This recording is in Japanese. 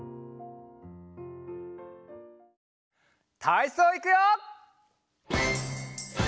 たいそういくよ！